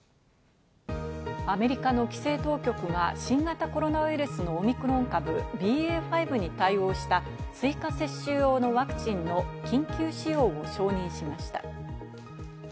アメリカの規制当局が新型コロナウイルスのオミクロン株、ＢＡ．５に対応した追加接種用のワクチンの緊急使用を承認しました。